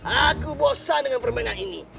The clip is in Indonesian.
aku bosan dengan permainan ini